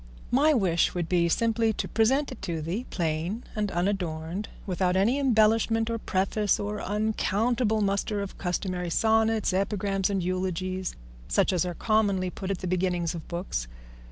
My wish would be simply to present it to thee plain and unadorned, without any embellishment of preface or uncountable muster of customary sonnets, epigrams, and eulogies, such as are commonly put at the beginning of books.